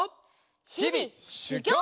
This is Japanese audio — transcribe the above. ひびしゅぎょう！